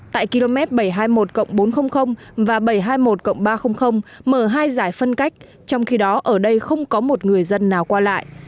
tại km bảy trăm hai mươi một bốn trăm linh và bảy trăm hai mươi một ba trăm linh mở hai giải phân cách trong khi đó ở đây không có một người dân nào qua lại